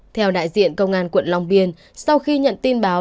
theo đại diện công an quận long biên sau khi nhận tin báo